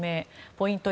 ポイント